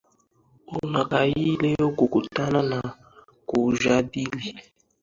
unakaa hii leo kukutana na kujadili